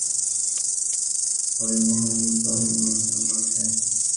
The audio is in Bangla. হরিমোহিনী কহিলেন, তা করেছি।